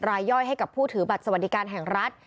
ย่อยให้กับผู้ถือบัตรสวัสดิการแห่งรัฐ